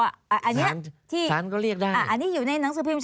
อันนี้อันนี้อยู่ในหนังสือภิมช์